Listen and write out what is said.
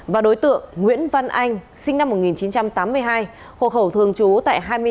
và đối tượng nguyễn văn anh sinh năm một nghìn chín trăm tám mươi hai hộ khẩu thường trú tại hai mươi bốn